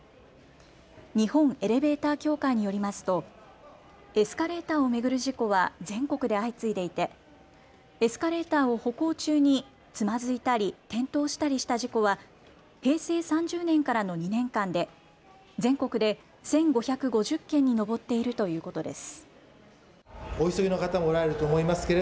日本エレベーター協会によりますとエスカレーターを巡る事故は全国で相次いでいてエスカレーターを歩行中につまずいたり、転倒したりした事故は平成３０年からの２年間で全国で１５５０件に上っているということです。